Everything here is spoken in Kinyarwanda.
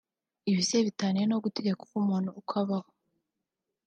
Ibise bitaniyehe no gutegeka uko umuntu uko abaho